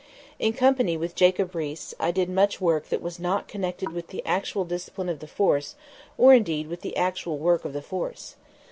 In company with Jacob Riis, I did much work that was not connected with the actual discipline of the force or indeed with the actual work of the force.